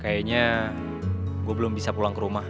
kayaknya gue belum bisa pulang ke rumah